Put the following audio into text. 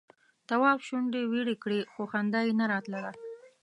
تواب شونډې ويړې کړې خو خندا یې نه راتله.